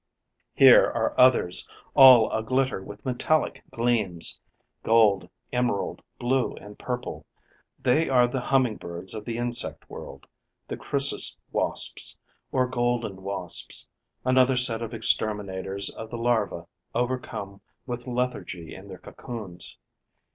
Here are others, all aglitter with metallic gleams: gold, emerald, blue and purple. They are the humming birds of the insect world, the Chrysis wasps, or Golden Wasps, another set of exterminators of the larvae overcome with lethargy in their cocoons.